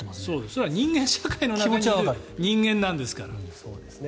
それは人間社会の中にいる人間なんですから。